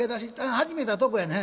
始めたとこやねん。